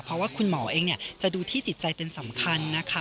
เพราะว่าคุณหมอเองจะดูที่จิตใจเป็นสำคัญนะคะ